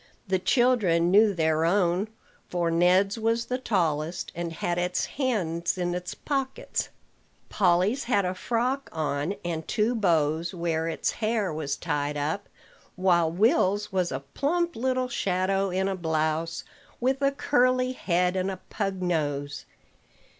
The children knew their own: for Ned's was the tallest, and had its hands in its pockets; Polly's had a frock on, and two bows where its hair was tied up; while Will's was a plump little shadow in a blouse, with a curly head and a pug nose.